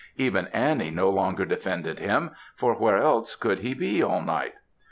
Even Annie no longer defended him, for where else could he be all night?